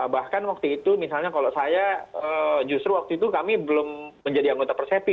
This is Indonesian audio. bahkan waktu itu misalnya kalau saya justru waktu itu kami belum menjadi anggota persepi